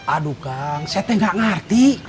aduh kang saya teh gak ngerti